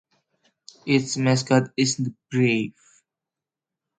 Its mascot is the Brave.